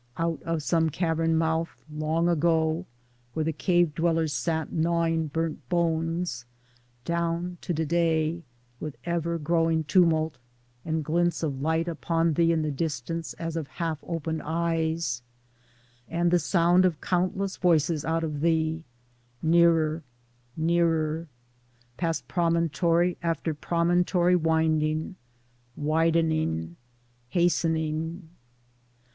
Out of some cavern mouth long ago where the cave dwellers sat gnawing burnt bones, down to to day — with ever growing tumult, and glints of light upon thee in the distance as of half open eyes, and the sound of countless voices out of thee, nearer, nearer, past promontory after promontory winding, widening, hastening